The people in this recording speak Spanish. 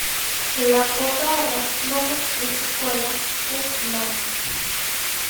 La punta de las plumas de su cola es blanca.